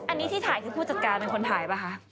อันนี้ที่ถ่ายคือผู้จัดการเป็นคนถ่ายป่ะคะ